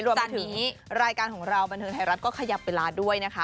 รวมถึงรายการของเราบันเทิงไทยรัฐก็ขยับเวลาด้วยนะคะ